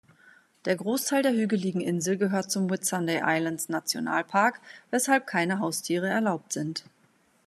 Der Großteil der hügeligen Insel gehört zum Whitsunday-Islands-Nationalpark, weshalb keine Haustiere erlaubt sind.